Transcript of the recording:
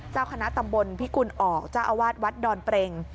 เจ้าคณะตำบลพิกุลออกเจ้าอาวาสวัดดอนเปรง